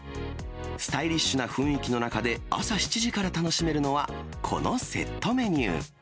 スタイリッシュな雰囲気の中で、朝７時から楽しめるのは、このセットメニュー。